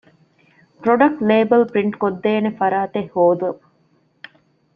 ޕްރޮޑަކްޓް ލޭބަލް ޕްރިންޓްކޮށްދޭނެ ފަރާތެއް ހޯދުން